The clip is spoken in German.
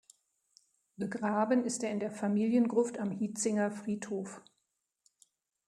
Begraben ist er in der Familiengruft am Hietzinger Friedhof.